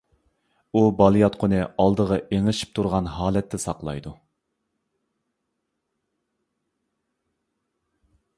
ئۇ بالىياتقۇنى ئالدىغا ئېڭىشىپ تۇرغان ھالەتتە ساقلايدۇ.